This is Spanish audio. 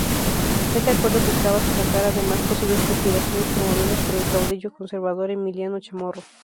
Este acuerdo buscaba sofocar, además, posibles conspiraciones promovidas por el caudillo conservador Emiliano Chamorro.